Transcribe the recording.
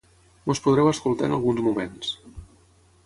Ens podreu escoltar en alguns moments.